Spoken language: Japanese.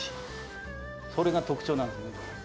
それが特徴なんですね。